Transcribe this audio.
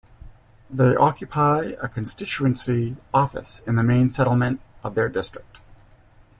They occupy a constituency office in the main settlement of their district.